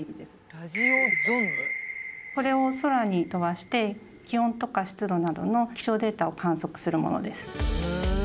これを空に飛ばして気温とか湿度などの気象データを観測するものです。